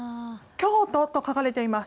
京都と書かれています。